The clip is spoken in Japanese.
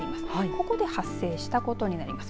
ここで発生したことになります。